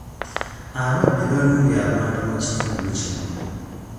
Ababbi balumbye abantu bangi mu kitundu kino.